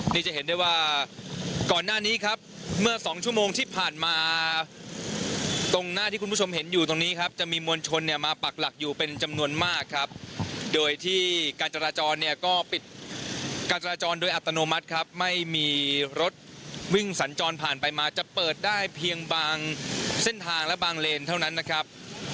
นี่จะเห็นได้ว่าก่อนหน้านี้ครับเมื่อสองชั่วโมงที่ผ่านมาตรงหน้าที่คุณผู้ชมเห็นอยู่ตรงนี้ครับจะมีมวลชนเนี่ยมาปักหลักอยู่เป็นจำนวนมากครับโดยที่การจราจรเนี่ยก็ปิดการจราจรโดยอัตโนมัติครับไม่มีรถวิ่งสัญจรผ่านไปมาจะเปิดได้เพียงบางเส้นทางและบางเลนเท่านั้นนะครับ